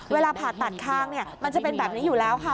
เวลาผ่าตัดข้างมันจะเป็นแบบนี้อยู่แล้วค่ะ